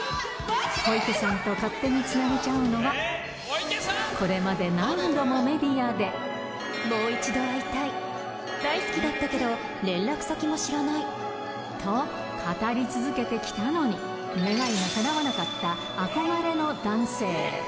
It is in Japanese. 小池さんと勝手につなげちゃうのは、これまで何度もメディアで、もう一度会いたい、大好きだったけど、連絡先も知らないと、語り続けてきたのに、願いがかなわなかった憧れの男性。